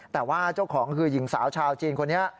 แต่ว่าเจ้าของคือหญิงสาวชาวจีนคนนี้